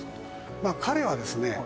まあ彼はですね